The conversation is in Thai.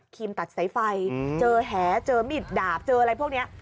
ครีมตัดใส่ไฟเจอแหมิดดาบเจออะไรพวกนี้